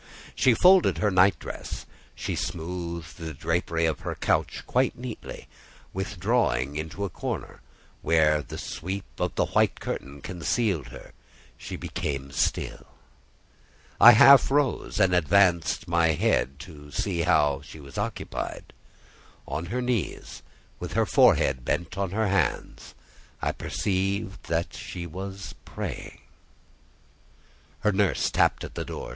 She folded her night dress, she smoothed the drapery of her couch quite neatly; withdrawing into a corner, where the sweep of the white curtain concealed her, she became still. I half rose, and advanced my head to see how she was occupied. On her knees, with her forehead bent on her hands, I perceived that she was praying. Her nurse tapped at the door.